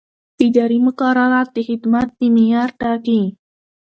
اداري مقررات د خدمت د معیار ټاکي.